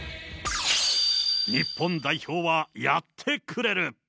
日本代表はやってくれる。